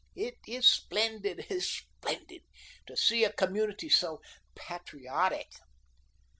It is splendid, splendid, to see a community so patriotic."